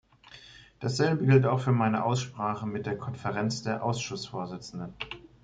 Dasselbe gilt auch für meine Aussprache mit der Konferenz der Ausschussvorsitzenden.